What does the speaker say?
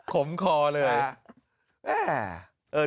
ขมคอเลย